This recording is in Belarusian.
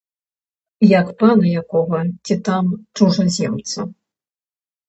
Як пана якога ці там чужаземца.